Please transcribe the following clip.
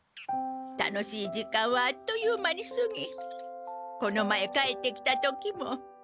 楽しい時間はあっという間にすぎこの前帰ってきた時も。